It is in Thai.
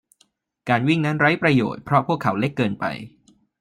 การวิ่งนั้นไร้ประโยชน์เพราะพวกเขาเล็กเกินไป